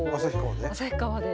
旭川で？